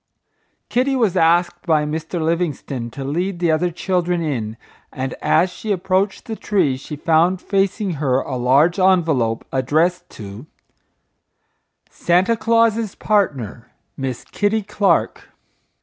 Kitty was asked by Mr. Livingstone to lead the other children in, and as she approached the tree she found facing her a large envelope addressed to, Santa Claus's Partner, Miss Kitty Clark.